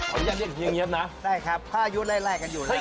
ขออนุญาตเรียกเงี๊ยบนะได้ครับพ่ายุไล่กันอยู่แล้ว